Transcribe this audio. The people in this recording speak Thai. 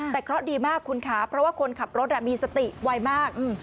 แต่เขาร็อตดีมากคุณค่ะเพราะว่าคนขับรถมีสติวัยมาก